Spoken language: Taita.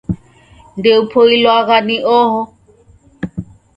Ndeupoilwagha ni oho